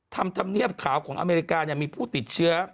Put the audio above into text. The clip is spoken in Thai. ทำเนียบข่าวของอเมริกายังมีผู้ติดเชื้อ